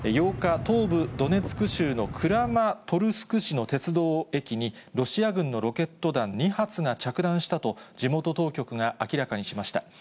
８日、東部ドネツク州のクラマトルスク市の鉄道駅に、ロシア軍のロケット弾２発が着弾したと、地元当局が明らかにしました。